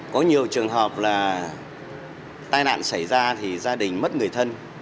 có nhiều trường hợp là tai nạn xảy ra thì gia đình mất người thân